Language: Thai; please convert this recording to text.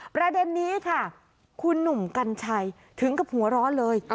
ประเด็นนี้ค่ะคุณหนุ่มกัญชัยถึงกับหัวร้อนเลย